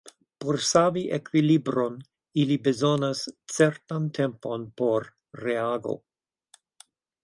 Por savi ekvilibron ili bezonas certan tempon por reago.